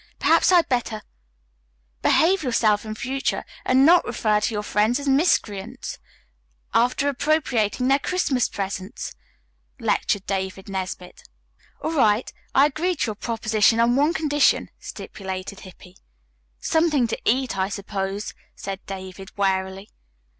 Perhaps I had better "" behave yourself in future and not refer to your friends as 'miscreants' after appropriating their Christmas presents," lectured David Nesbit. "All right, I agree to your proposition on one condition," stipulated Hippy. "Something to eat, I suppose," said David wearily.